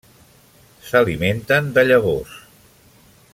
S'alimenten de llavors.